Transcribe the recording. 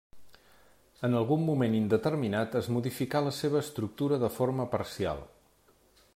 En algun moment indeterminat es modificà la seva estructura de forma parcial.